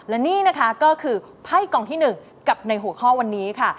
และนี่นะคะก็คือไพ่กล่องที่๑กับในหัวข้อวันนี้ค่ะ